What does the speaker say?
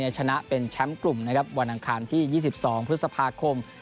ชนะเป็นแชมป์กลุ่มนะครับวันอังคารที่๒๒พฤษภาคม